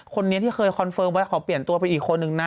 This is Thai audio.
คนนี้ที่เคยคอนเฟิร์มไว้ขอเปลี่ยนตัวไปอีกคนนึงนะ